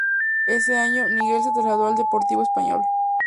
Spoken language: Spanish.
Ese año, Nigel se trasladó al Deportivo Español.